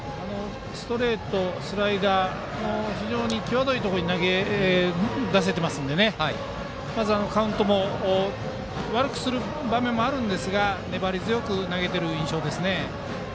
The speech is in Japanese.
ストレート、スライダー際どいところに投げ出せていますのでカウントを悪くする場面もありますが粘り強く投げている印象です。